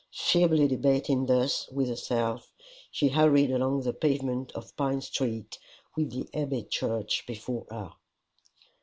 Feebly debating thus with herself, she hurried along the pavement of Pine Street, with the Abbey church before her.